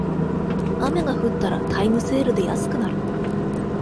雨が降ったらタイムセールで安くなる